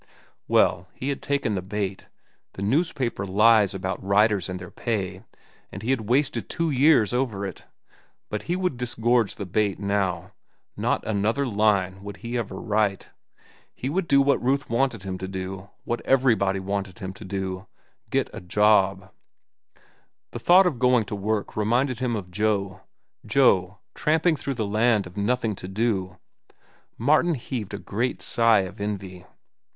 Well, he had taken the bait, the newspaper lies about writers and their pay, and he had wasted two years over it. But he would disgorge the bait now. Not another line would he ever write. He would do what Ruth wanted him to do, what everybody wanted him to do—get a job. The thought of going to work reminded him of Joe—Joe, tramping through the land of nothing to do. Martin heaved a great sigh of envy.